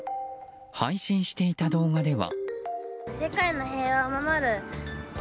配信していた動画では。